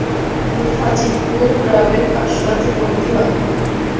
তিনি ফাজিলপুর গ্রামের পাঠশালাতে ভর্তি হন।